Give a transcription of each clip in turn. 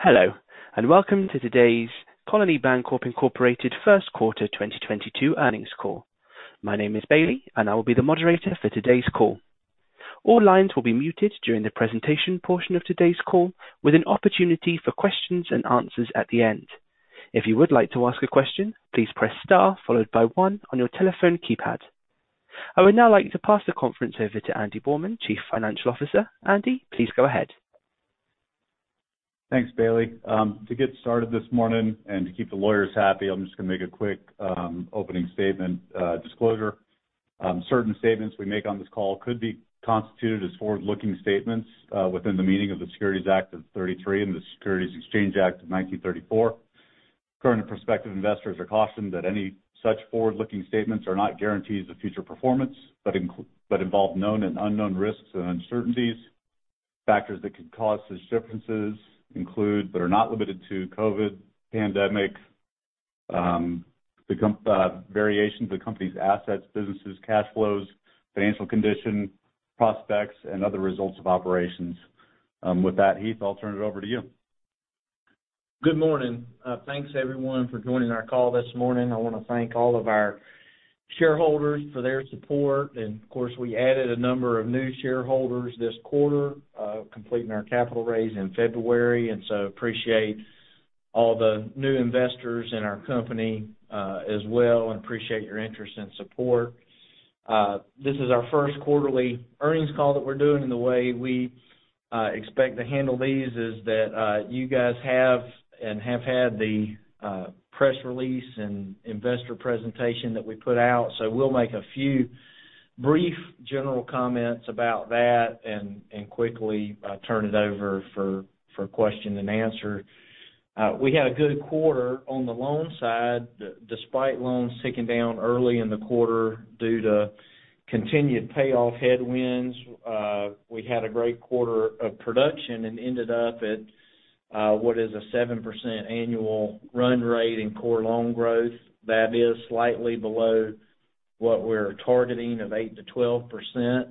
Hello, and welcome to today's Colony Bankcorp, Inc. First Quarter 2022 earnings call. My name is Bailey, and I will be the moderator for today's call. All lines will be muted during the presentation portion of today's call, with an opportunity for questions and answers at the end. If you would like to ask a question, please press star followed by one on your telephone keypad. I would now like to pass the conference over to Andy Borrmann, Chief Financial Officer. Andy, please go ahead. Thanks, Bailey. To get started this morning and to keep the lawyers happy, I'm just gonna make a quick opening statement, disclosure. Certain statements we make on this call could be constituted as forward-looking statements within the meaning of the Securities Act of 1933 and the Securities Exchange Act of 1934. Current and prospective investors are cautioned that any such forward-looking statements are not guarantees of future performance, but involve known and unknown risks and uncertainties. Factors that could cause these differences include, but are not limited to COVID pandemic, variations of the company's assets, businesses, cash flows, financial condition, prospects, and other results of operations. With that, Heath, I'll turn it over to you. Good morning. Thanks, everyone, for joining our call this morning. I wanna thank all of our shareholders for their support. Of course, we added a number of new shareholders this quarter, completing our capital raise in February, and so appreciate all the new investors in our company, as well, and appreciate your interest and support. This is our first quarterly earnings call that we're doing, and the way we expect to handle these is that you guys have and have had the press release and investor presentation that we put out, so we'll make a few brief general comments about that and quickly turn it over for question and answer. We had a good quarter on the loan side, despite loans ticking down early in the quarter due to continued payoff headwinds. We had a great quarter of production and ended up at what is a 7% annual run rate in core loan growth. That is slightly below what we're targeting of 8%-12%.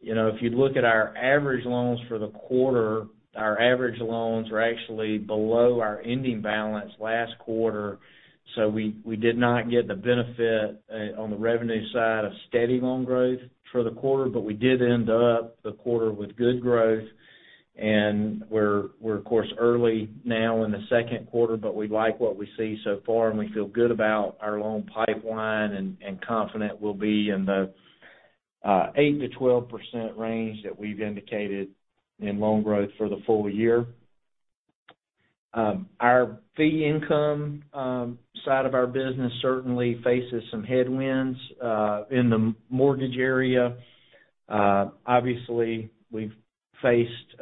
You know, if you look at our average loans for the quarter, our average loans are actually below our ending balance last quarter, so we did not get the benefit on the revenue side of steady loan growth for the quarter, but we did end up the quarter with good growth. We're of course early now in the second quarter, but we like what we see so far, and we feel good about our loan pipeline and confident we'll be in the 8%-12% range that we've indicated in loan growth for the full year. Our fee income side of our business certainly faces some headwinds in the mortgage area. Obviously we've faced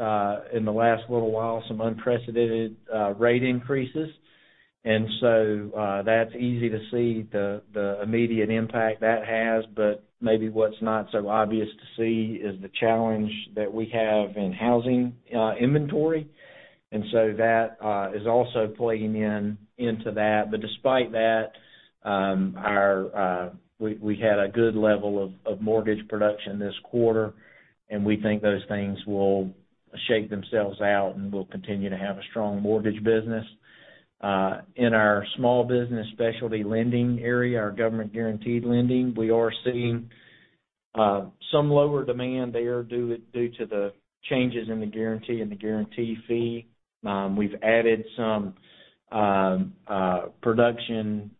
in the last little while some unprecedented rate increases. That's easy to see the immediate impact that has, but maybe what's not so obvious to see is the challenge that we have in housing inventory. That is also playing into that. Despite that, we had a good level of mortgage production this quarter, and we think those things will shake themselves out, and we'll continue to have a strong mortgage business. In our small business specialty lending area, our government-guaranteed lending, we are seeing some lower demand there due to the changes in the guarantee and the guarantee fee. We've added some production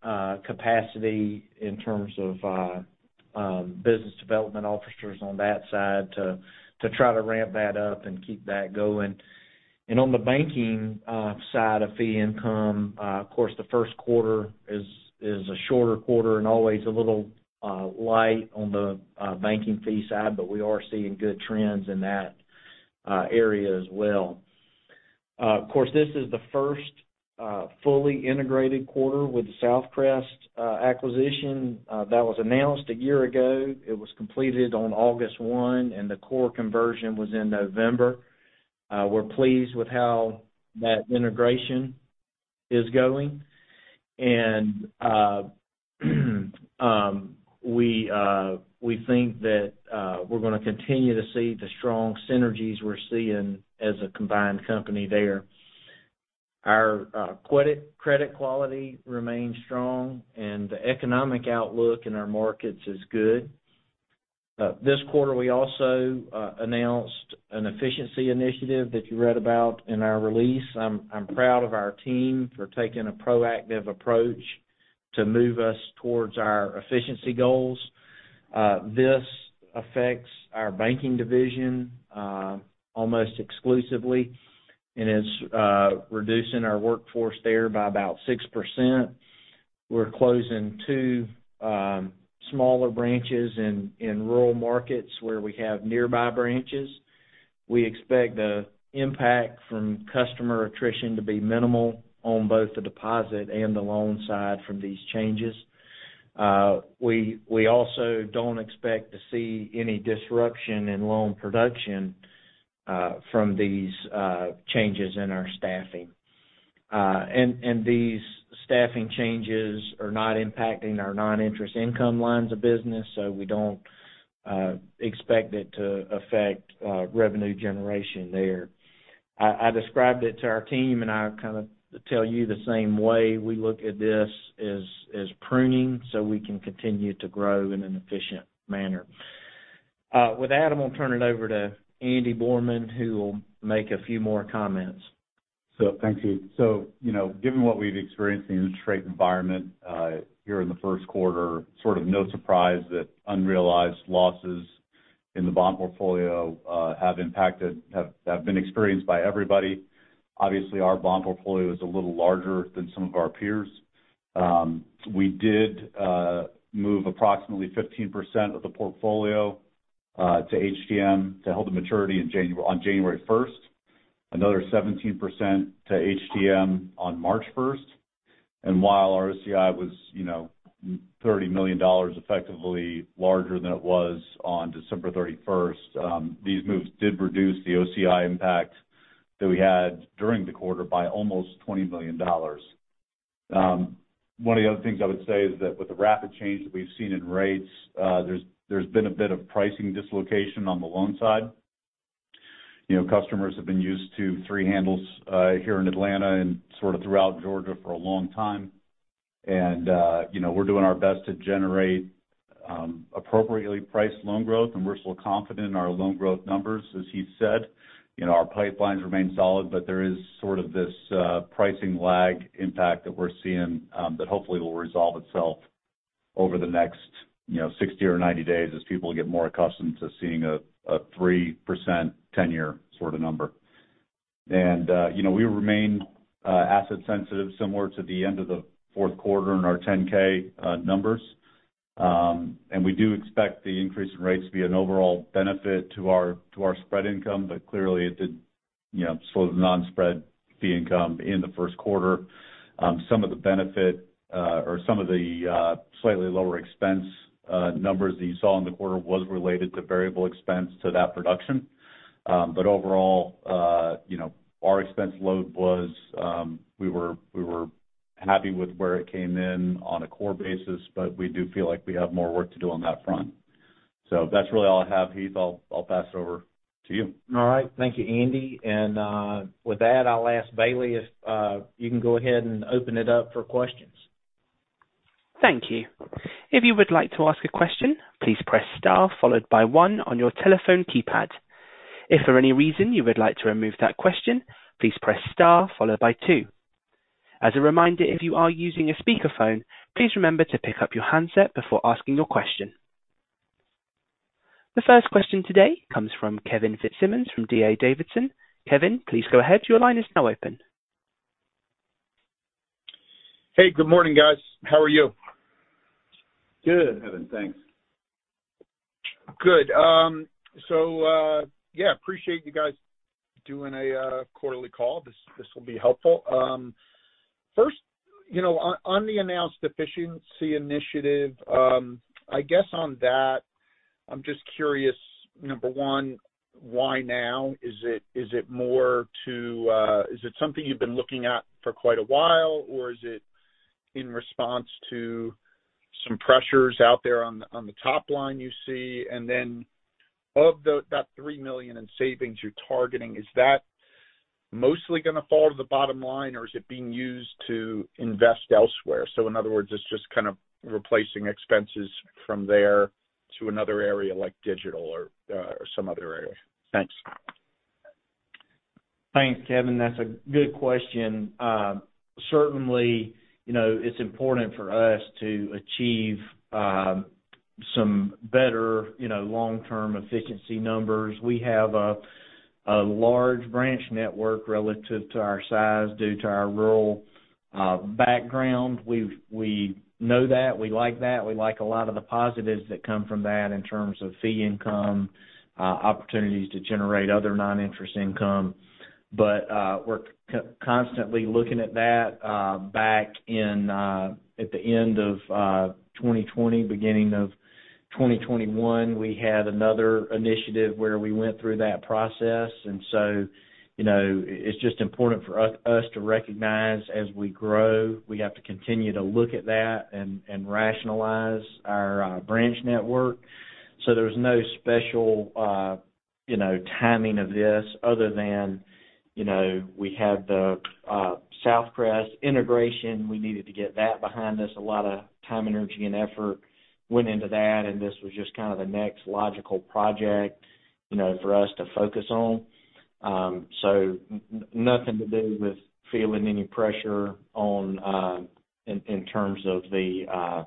capacity in terms of business development officers on that side to try to ramp that up and keep that going. On the banking side of fee income, of course, the first quarter is a shorter quarter and always a little light on the banking fee side, but we are seeing good trends in that area as well. Of course, this is the first fully integrated quarter with the SouthCrest acquisition that was announced a year ago. It was completed on August 1, and the core conversion was in November. We're pleased with how that integration is going, and we think that we're gonna continue to see the strong synergies we're seeing as a combined company there. Our credit quality remains strong, and the economic outlook in our markets is good. This quarter we also announced an efficiency initiative that you read about in our release. I'm proud of our team for taking a proactive approach to move us towards our efficiency goals. This affects our banking division almost exclusively, and it's reducing our workforce there by about 6%. We're closing two smaller branches in rural markets where we have nearby branches. We expect the impact from customer attrition to be minimal on both the deposit and the loan side from these changes. We also don't expect to see any disruption in loan production from these changes in our staffing. These staffing changes are not impacting our non-interest income lines of business, so we don't expect it to affect revenue generation there. I described it to our team, and I kind of tell you the same way we look at this as pruning so we can continue to grow in an efficient manner. With that, I'm gonna turn it over to Andy Borrmann, who will make a few more comments. Thank you. You know, given what we've experienced in the interest rate environment here in the first quarter, sort of no surprise that unrealized losses in the bond portfolio have been experienced by everybody. Obviously, our bond portfolio is a little larger than some of our peers. We did move approximately 15% of the portfolio to HTM to hold to maturity in January, on January 1, another 17% to HTM on March 1. While our OCI was, you know, $30 million effectively larger than it was on December 31, these moves did reduce the OCI impact that we had during the quarter by almost $20 million. One of the other things I would say is that with the rapid change that we've seen in rates, there's been a bit of pricing dislocation on the loan side. You know, customers have been used to 3 handles here in Atlanta and sort of throughout Georgia for a long time. You know, we're doing our best to generate appropriately priced loan growth, and we're still confident in our loan growth numbers. As Heath said, you know, our pipelines remain solid, but there is sort of this pricing lag impact that we're seeing that hopefully will resolve itself over the next, you know, 60 or 90 days as people get more accustomed to seeing a 3% 10-year sort of number. You know, we remain asset sensitive similar to the end of the fourth quarter in our 10-K numbers. We do expect the increase in rates to be an overall benefit to our spread income. Clearly, it did you know slow the non-spread fee income in the first quarter. Some of the benefit or some of the slightly lower expense numbers that you saw in the quarter was related to variable expense to that production. Overall, you know, our expense load was we were happy with where it came in on a core basis, but we do feel like we have more work to do on that front. That's really all I have. Heath, I'll pass it over to you. All right. Thank you, Andy. With that I'll ask Bailey if you can go ahead and open it up for questions. Thank you. The first question today comes from Kevin Fitzsimmons from D.A. Davidson. Kevin, please go ahead. Your line is now open. Hey, good morning, guys. How are you? Good, Kevin. Thanks. Good. Yeah, appreciate you guys doing a quarterly call. This will be helpful. First, you know, on the announced efficiency initiative, I guess on that, I'm just curious, number one, why now? Is it more to, is it something you've been looking at for quite a while, or is it in response to some pressures out there on the top line you see? Then of the that $3 million in savings you're targeting, is that mostly gonna fall to the bottom line, or is it being used to invest elsewhere? In other words, it's just kind of replacing expenses from there to another area like digital or some other area. Thanks. Thanks, Kevin. That's a good question. Certainly, you know, it's important for us to achieve some better, you know, long-term efficiency numbers. We have a large branch network relative to our size due to our rural background. We know that, we like that. We like a lot of the positives that come from that in terms of fee income opportunities to generate other non-interest income. We're constantly looking at that. Back in at the end of 2020, beginning of 2021, we had another initiative where we went through that process. You know, it's just important for us to recognize as we grow, we have to continue to look at that and rationalize our branch network. There's no special, you know, timing of this other than, you know, we had the SouthCrest integration. We needed to get that behind us. A lot of time, energy and effort went into that, and this was just kind of the next logical project, you know, for us to focus on. Nothing to do with feeling any pressure on, in terms of the,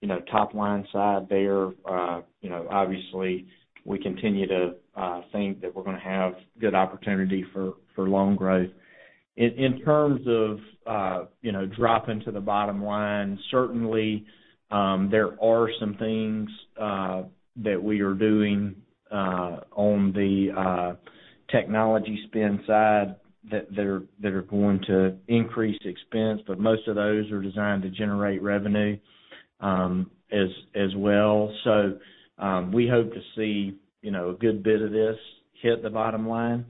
you know, top line side there. You know, obviously, we continue to think that we're gonna have good opportunity for loan growth. In terms of, you know, dropping to the bottom line, certainly, there are some things that we are doing on the technology spend side that are going to increase expense, but most of those are designed to generate revenue, as well. We hope to see, you know, a good bit of this hit the bottom line.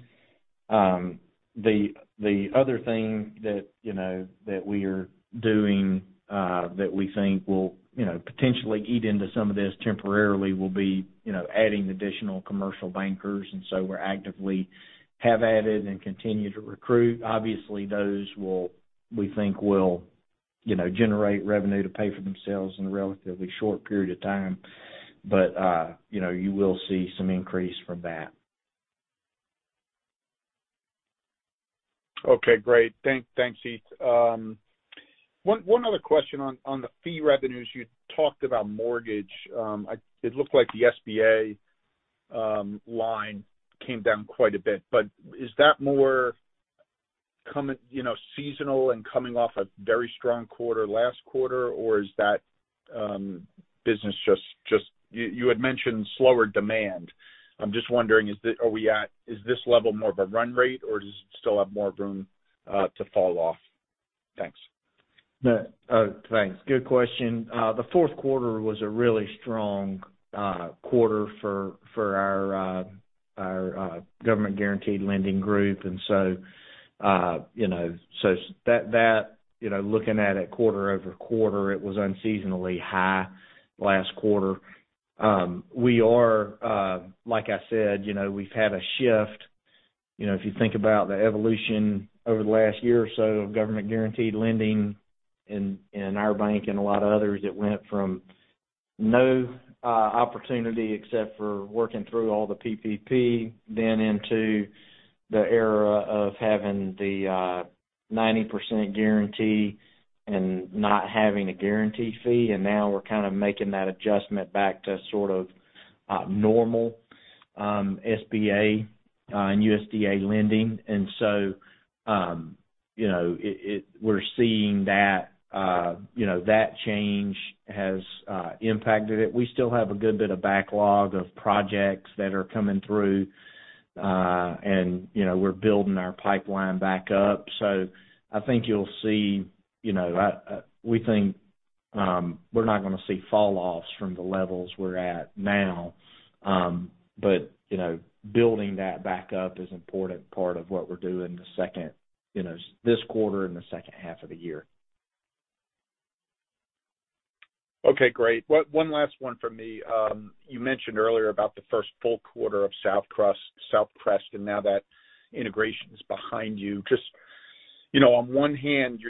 The other thing that, you know, that we are doing that we think will, you know, potentially eat into some of this temporarily will be, you know, adding additional commercial bankers. We actively have added and continue to recruit. Obviously, those will, we think, you know, generate revenue to pay for themselves in a relatively short period of time. But you will see some increase from that. Okay, great. Thanks, Heath. One other question on the fee revenues. You talked about mortgage. It looked like the SBA line came down quite a bit, but is that more coming, you know, seasonal and coming off a very strong quarter last quarter? Or is that business just you had mentioned slower demand. I'm just wondering, is this level more of a run rate, or does it still have more room to fall off? Thanks. Thanks. Good question. The fourth quarter was a really strong quarter for our government-guaranteed lending group. You know, looking at it quarter-over-quarter, it was unseasonably high last quarter. Like I said, you know, we've had a shift. You know, if you think about the evolution over the last year or so of government-guaranteed lending in our bank and a lot of others, it went from no opportunity except for working through all the PPP, then into the era of having the 90% guarantee and not having a guarantee fee. Now we're kind of making that adjustment back to sort of normal SBA and USDA lending. We're seeing that, you know, that change has impacted it. We still have a good bit of backlog of projects that are coming through. You know, we're building our pipeline back up. I think you'll see, you know, we think we're not gonna see falloffs from the levels we're at now. You know, building that back up is important part of what we're doing this quarter and the second half of the year. Okay, great. One last one from me. You mentioned earlier about the first full quarter of SouthCrest, and now that integration is behind you. Just, you know, on one hand,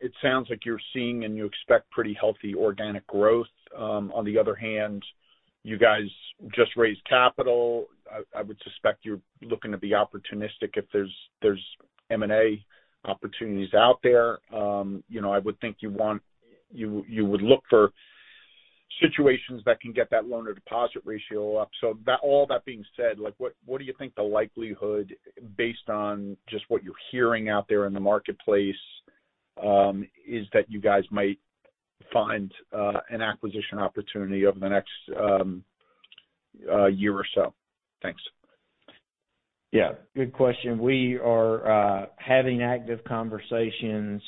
it sounds like you're seeing and you expect pretty healthy organic growth. On the other hand, you guys just raised capital. I would suspect you're looking to be opportunistic if there's M&A opportunities out there. You know, I would think you would look for situations that can get that loan-to-deposit ratio up. All that being said, like, what do you think the likelihood, based on just what you're hearing out there in the marketplace, is that you guys might find an acquisition opportunity over the next year or so? Thanks. Yeah. Good question. We are having active conversations.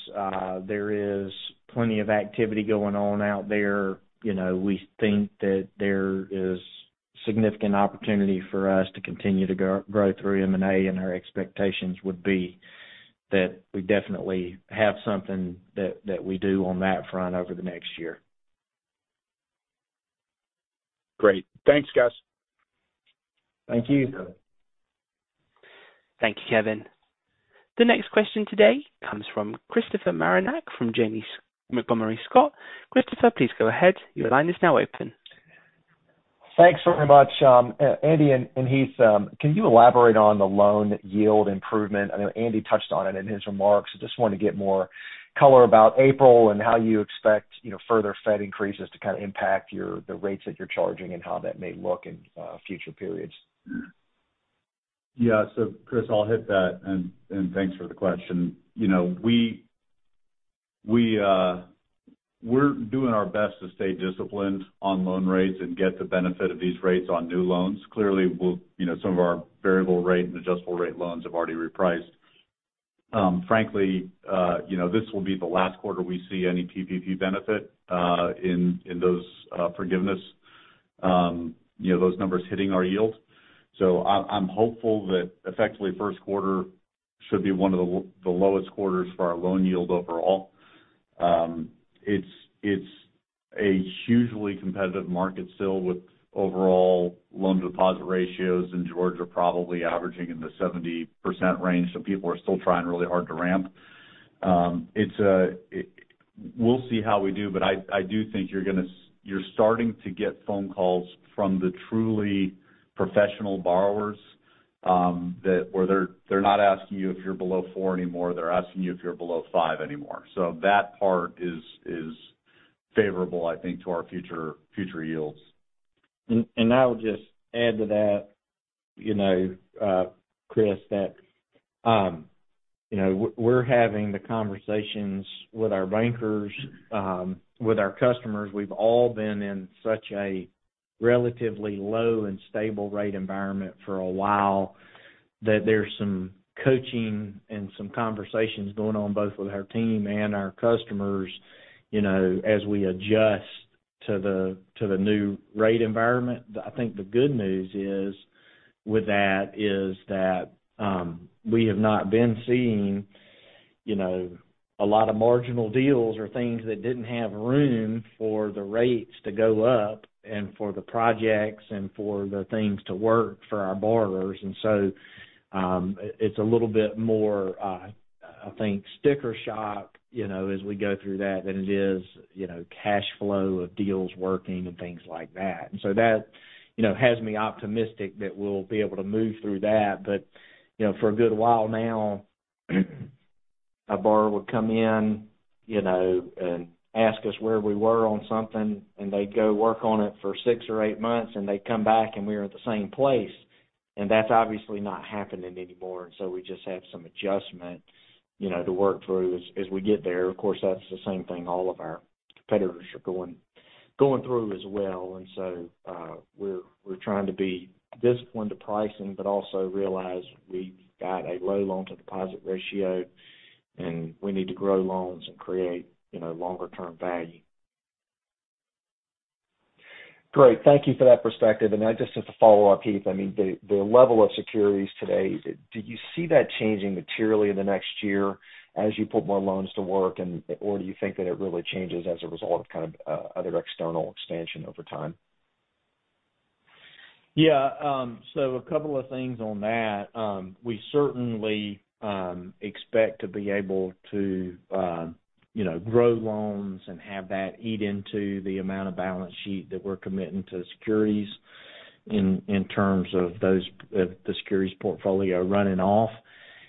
There is plenty of activity going on out there. You know, we think that there is significant opportunity for us to continue to grow through M&A, and our expectations would be that we definitely have something that we do on that front over the next year. Great. Thanks, guys. Thank you. Thank you, Kevin. The next question today comes from Christopher Marinac from Janney Montgomery Scott. Christopher, please go ahead. Your line is now open. Thanks very much. Andy and Heath, can you elaborate on the loan yield improvement? I know Andy touched on it in his remarks. I just wanted to get more color about April and how you expect, you know, further Fed increases to kind of impact your, the rates that you're charging and how that may look in future periods. Yeah. Chris, I'll hit that and thanks for the question. You know, we're doing our best to stay disciplined on loan rates and get the benefit of these rates on new loans. Clearly, we'll. You know, some of our variable rate and adjustable rate loans have already repriced. Frankly, you know, this will be the last quarter we see any PPP benefit in those forgiveness numbers hitting our yield. I'm hopeful that effectively first quarter should be one of the lowest quarters for our loan yield overall. It's a hugely competitive market still with overall loan-to-deposit ratios, and Georgia probably averaging in the 70% range, so people are still trying really hard to ramp. We'll see how we do, but I do think you're starting to get phone calls from the truly professional borrowers, that or they're not asking you if you're below 4% anymore, they're asking you if you're below 5% anymore. That part is favorable, I think, to our future yields. I would just add to that, you know, Chris, that, you know, we're having the conversations with our bankers, with our customers. We've all been in such a relatively low and stable rate environment for a while, that there's some coaching and some conversations going on, both with our team and our customers, you know, as we adjust to the new rate environment. I think the good news is, with that, is that, we have not been seeing, you know, a lot of marginal deals or things that didn't have room for the rates to go up and for the projects and for the things to work for our borrowers. It's a little bit more, I think, sticker shock, you know, as we go through that than it is, you know, cash flow of deals working and things like that. That, you know, has me optimistic that we'll be able to move through that. You know, for a good while now, a borrower would come in, you know, and ask us where we were on something, and they'd go work on it for 6 or 8 months, and they'd come back, and we're at the same place. That's obviously not happening anymore. We just have some adjustment, you know, to work through as we get there. Of course, that's the same thing all of our competitors are going through as well. We're trying to be disciplined to pricing, but also realize we've got a low loan-to-deposit ratio, and we need to grow loans and create, you know, longer-term value. Great. Thank you for that perspective. Just to follow up, Heath, I mean, the level of securities today, do you see that changing materially in the next year as you put more loans to work and or do you think that it really changes as a result of kind of other external expansion over time? Yeah. A couple of things on that. We certainly expect to be able to, you know, grow loans and have that eat into the amount of balance sheet that we're committing to securities in terms of those, the securities portfolio running off.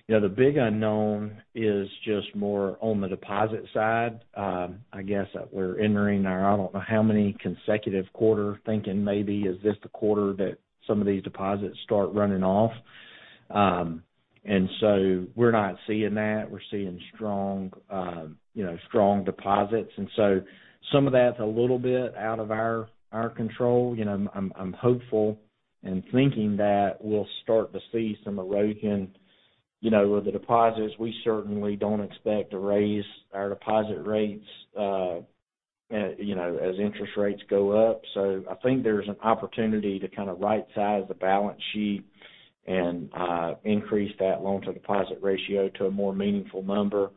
You know, the big unknown is just more on the deposit side. I guess that we're entering our, I don't know how many consecutive quarter thinking maybe is this the quarter that some of these deposits start running off. We're not seeing that. We're seeing strong, you know, strong deposits. Some of that's a little bit out of our control. You know, I'm hopeful and thinking that we'll start to see some erosion, you know, with the deposits. We certainly don't expect to raise our deposit rates, you know, as interest rates go up. I think there's an opportunity to kind of right-size the balance sheet and increase that loan-to-deposit ratio to a more meaningful number.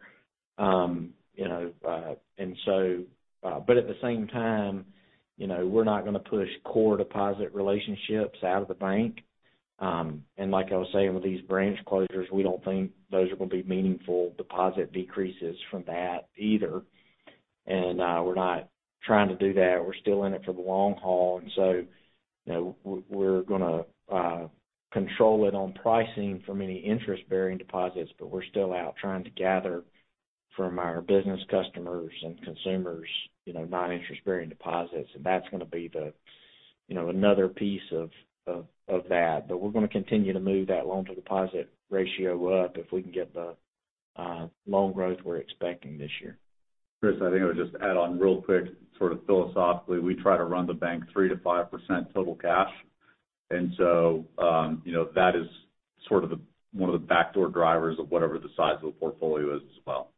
You know, at the same time, you know, we're not going to push core deposit relationships out of the bank. Like I was saying, with these branch closures, we don't think those are going to be meaningful deposit decreases from that either. We're not trying to do that. We're still in it for the long haul, you know, we're gonna control it on pricing for many interest-bearing deposits, but we're still out trying to gather from our business customers and consumers, you know, non-interest-bearing deposits. That's gonna be the, you know, another piece of that. We're gonna continue to move that loan-to-deposit ratio up if we can get the loan growth we're expecting this year. Chris, I think I would just add on real quick, sort of philosophically, we try to run the bank 3%-5% total cash. You know, that is sort of one of the backdoor drivers of whatever the size of the portfolio is as well.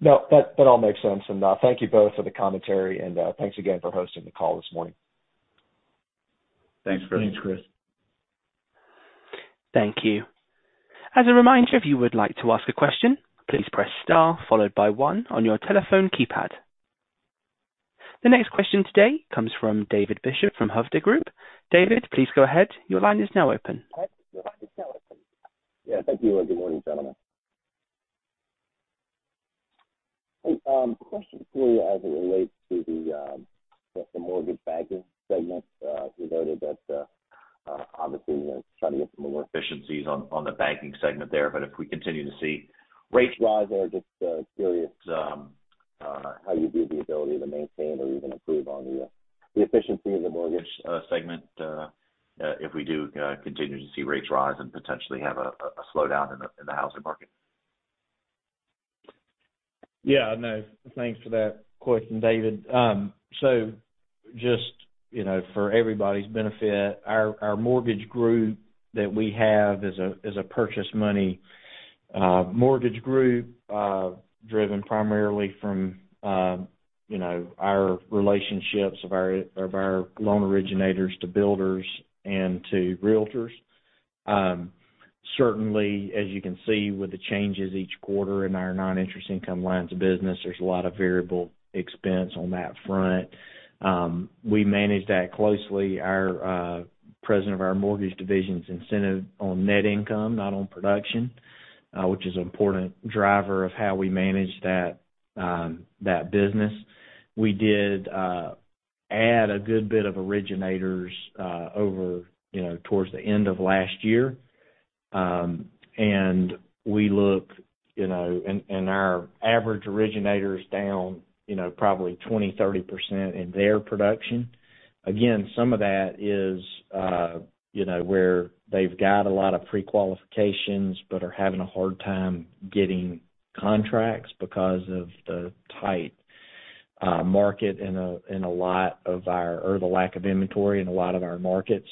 No, that all makes sense. Thank you both for the commentary, and, thanks again for hosting the call this morning. Thanks, Chris. Thanks, Chris. Thank you. As a reminder, if you would like to ask a question, please press star followed by one on your telephone keypad. The next question today comes from David Bishop from Hovde Group. David, please go ahead. Your line is now open. Yeah. Thank you, and good morning, gentlemen. Question for you as it relates to just the mortgage banking segment. You noted that obviously you're trying to get some more efficiencies on the banking segment there, but if we continue to see rates rise, I was just curious how you view the ability to maintain or even improve on the efficiency of the mortgage segment if we do continue to see rates rise and potentially have a slowdown in the housing market. Yeah, no, thanks for that question, David. So just, you know, for everybody's benefit, our mortgage group that we have is a purchase money mortgage group driven primarily from our relationships of our loan originators to builders and to realtors. Certainly, as you can see with the changes each quarter in our non-interest income lines of business, there's a lot of variable expense on that front. We manage that closely. Our President of our mortgage division is incented on net income, not on production, which is an important driver of how we manage that business. We did add a good bit of originators over, you know, towards the end of last year. We look, you know, our average originator is down, you know, probably 20%-30% in their production. Again, some of that is, you know, where they've got a lot of pre-qualifications but are having a hard time getting contracts because of the tight market in a lot of our markets. Or the lack of inventory in a lot of our markets.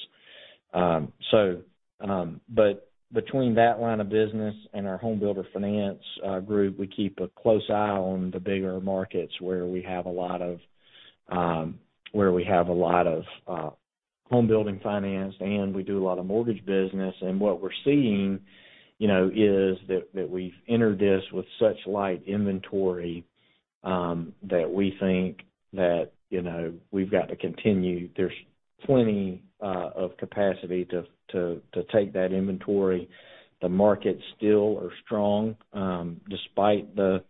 Between that line of business and our home builder finance group, we keep a close eye on the bigger markets where we have a lot of home builder finance, and we do a lot of mortgage business. What we're seeing, you know, is that we've entered this with such light inventory that we think that, you know, we've got to continue. There's plenty of capacity to take that inventory. The markets still are strong despite the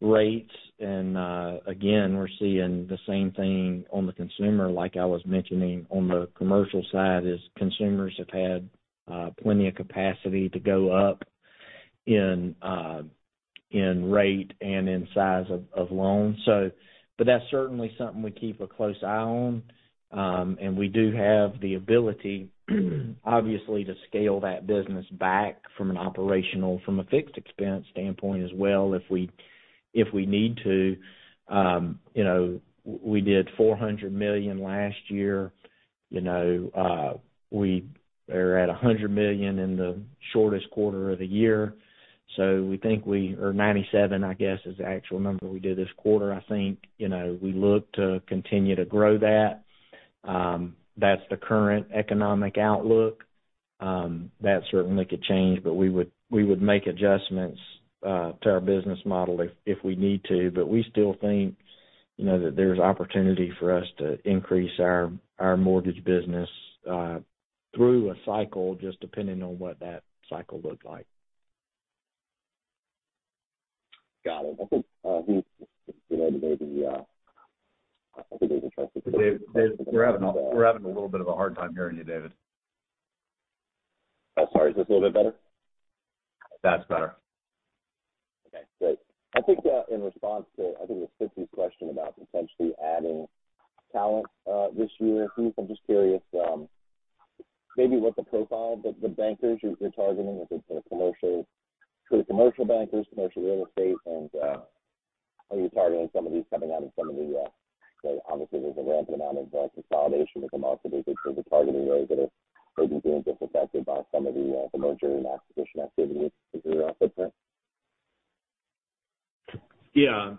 rates. Again, we're seeing the same thing on the consumer, like I was mentioning on the commercial side, is consumers have had plenty of capacity to go up in rate and in size of loans. That's certainly something we keep a close eye on. We do have the ability, obviously, to scale that business back from an operational, from a fixed expense standpoint as well, if we need to. You know, we did $400 million last year. You know, we are at $100 million in the shortest quarter of the year, or 97, I guess, is the actual number we did this quarter, I think. You know, we look to continue to grow that. That's the current economic outlook. That certainly could change, but we would make adjustments to our business model if we need to. We still think, you know, that there's opportunity for us to increase our mortgage business through a cycle, just depending on what that cycle looks like. Got it. I think, Heath, you know, maybe, I think he's interested. David, we're having a little bit of a hard time hearing you, David. Oh, sorry. Is this a little bit better? That's better. Okay, great. I think, in response to, I think it was Fitzsimmons question about potentially adding talent, this year. Heath, I'm just curious, maybe what the profile of the bankers you're targeting, if it's kind of commercial, sort of commercial bankers, commercial real estate, and are you targeting some of these coming out of some of the. Obviously, there's a rampant amount of consolidation that come out, so maybe targeting those that are maybe being disaffected by some of the the merger and acquisition activity with your footprint. Yeah.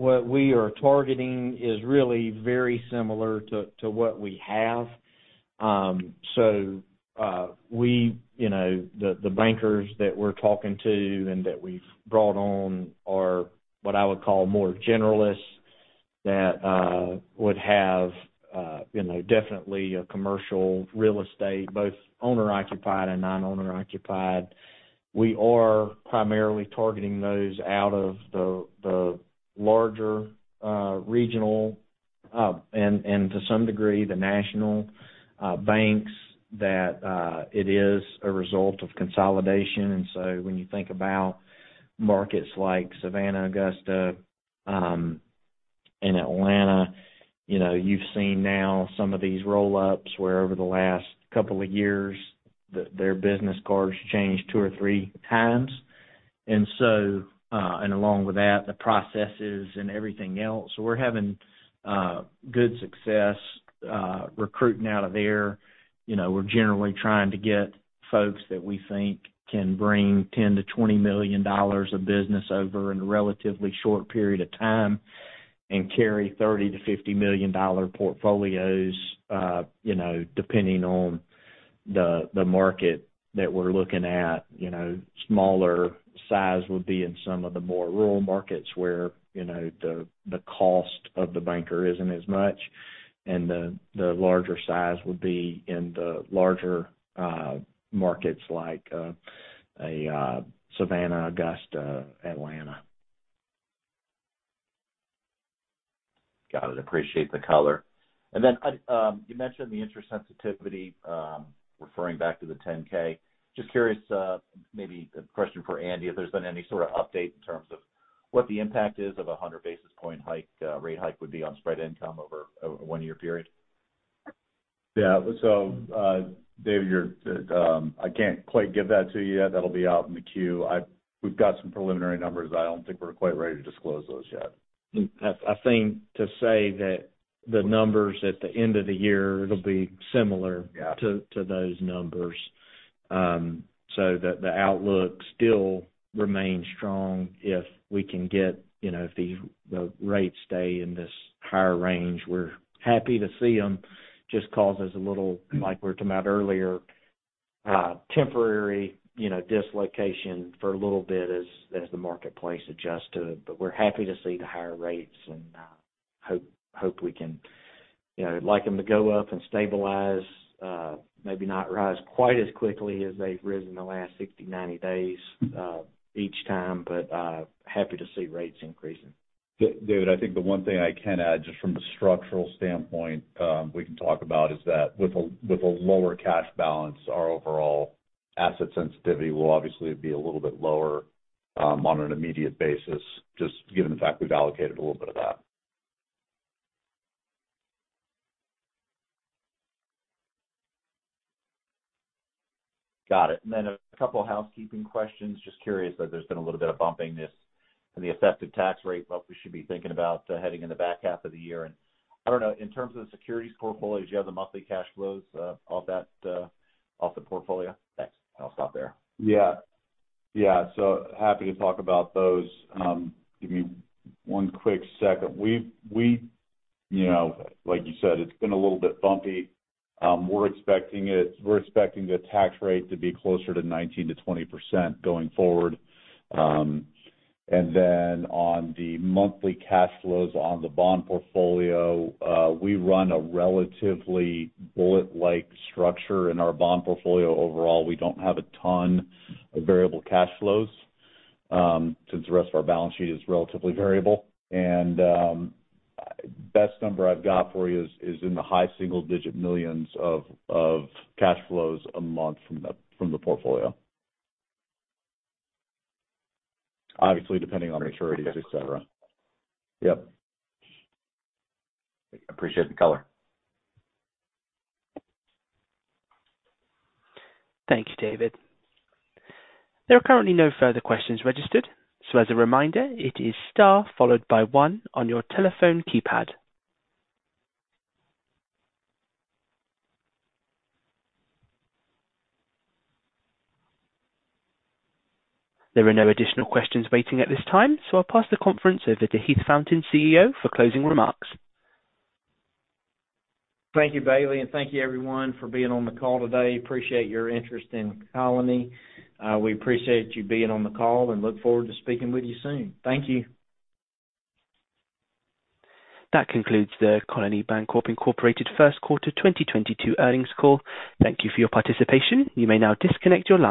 What we are targeting is really very similar to what we have. We, you know, the bankers that we're talking to and that we've brought on are what I would call more generalists that would have, you know, definitely a commercial real estate, both owner-occupied and non-owner-occupied. We are primarily targeting those out of the larger regional and to some degree the national banks that it is a result of consolidation. When you think about markets like Savannah, Augusta, and Atlanta, you know, you've seen now some of these roll-ups where over the last couple of years, their business cards changed two or three times. And along with that, the processes and everything else. We're having good success recruiting out of there. You know, we're generally trying to get folks that we think can bring $10-$20 million of business over in a relatively short period of time and carry $30-$50 million portfolios, you know, depending on the market that we're looking at. You know, smaller size would be in some of the more rural markets where, you know, the cost of the banker isn't as much, and the larger size would be in the larger markets like Savannah, Augusta, Atlanta. Got it. Appreciate the color. You mentioned the interest sensitivity, referring back to the 10-K. Just curious, maybe a question for Andy, if there's been any sort of update in terms of what the impact is of a 100 basis point hike, rate hike would be on spread income over a 1-year period. Yeah. David, you're, I can't quite give that to you yet. That'll be out in the Q. We've got some preliminary numbers. I don't think we're quite ready to disclose those yet. I think to say that the numbers at the end of the year, it'll be similar. Yeah. To those numbers. So the outlook still remains strong if we can get, you know, if the rates stay in this higher range, we're happy to see them. Just causes a little, like we were talking about earlier, temporary, you know, dislocation for a little bit as the marketplace adjusts to it. We're happy to see the higher rates and hope we can, you know, like them to go up and stabilize, maybe not rise quite as quickly as they've risen in the last 60, 90 days each time, but happy to see rates increasing. David, I think the one thing I can add, just from a structural standpoint, we can talk about is that with a lower cash balance, our overall asset sensitivity will obviously be a little bit lower, on an immediate basis, just given the fact we've allocated a little bit of that. Got it. A couple of housekeeping questions. Just curious that there's been a little bit of bump in the effective tax rate, what we should be thinking about heading into the back half of the year. I don't know, in terms of the securities portfolios, you have the monthly cash flows off that, off the portfolio? Thanks. I'll stop there. Yeah. Yeah. Happy to talk about those. Give me one quick second. We, you know, like you said, it's been a little bit bumpy. We're expecting the tax rate to be closer to 19%-20% going forward. On the monthly cash flows on the bond portfolio, we run a relatively bullet-like structure in our bond portfolio. Overall, we don't have a ton of variable cash flows, since the rest of our balance sheet is relatively variable. Best number I've got for you is in the high single-digit $ millions of cash flows a month from the portfolio. Obviously, depending on maturities, et cetera. Yep. Appreciate the color. Thank you, David. There are currently no further questions registered, so as a reminder, it is star followed by one on your telephone keypad. There are no additional questions waiting at this time, so I'll pass the conference over to Heath Fountain, CEO, for closing remarks. Thank you, Bailey, and thank you everyone for being on the call today. Appreciate your interest in Colony. We appreciate you being on the call and look forward to speaking with you soon. Thank you. That concludes the Colony Bankcorp, Inc. first quarter 2022 earnings call. Thank you for your participation. You may now disconnect your line.